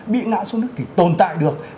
bị ngã xuống nước thì tồn tại được